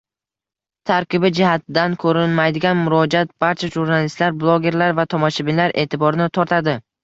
Tarkibi jihatidan ko'rinmaydigan murojaat barcha jurnalistlar, bloggerlar va tomoshabinlar e'tiborini tortadi